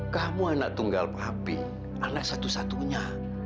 kamu anak tunggal papi anak satu satunya